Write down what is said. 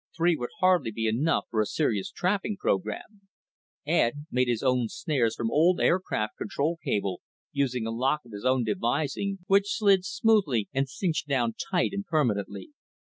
Three would hardly be enough for a serious trapping program. Ed made his own snares from old aircraft control cable, using a lock of his own devising which slid smoothly and cinched down tight and permanently.